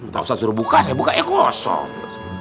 pak ustadz suruh buka saya buka ya kosong